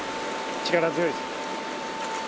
力強いです。